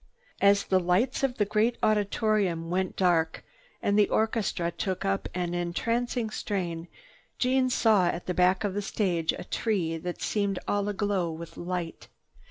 As the lights of the great Auditorium went dark and the orchestra took up an entrancing strain, Jeanne saw at the back of the stage a tree that seemed all aglow with light.